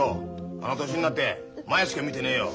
あの年になって前しか見てねえよ。